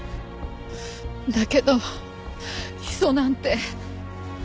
だけど砒素なんて。